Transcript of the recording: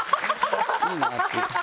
いいなって。